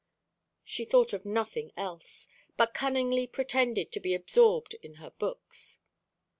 She thought of nothing else, but cunningly pretended to be absorbed in her books.